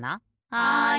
はい！